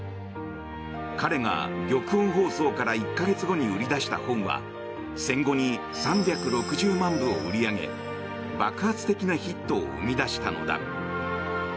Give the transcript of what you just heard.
彼が玉音放送から１か月後に売り出した本は戦後に３６０万部を売り上げ爆発的なヒットを生み出したのだ。